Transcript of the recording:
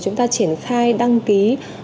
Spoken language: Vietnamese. chúng ta triển khai đăng ký